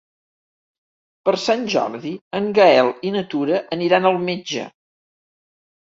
Per Sant Jordi en Gaël i na Tura aniran al metge.